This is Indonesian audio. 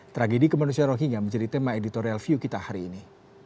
tragedi kemanusiaan rohingya menjadi tema editorial view kita hari ini